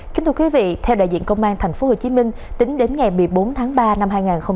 kính thưa quý vị theo đại diện công an tp hcm tính đến ngày một mươi bốn tháng ba năm hai nghìn hai mươi ba